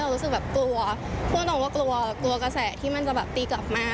แล้วมันกลัวกระแสที่จะตีกลับมา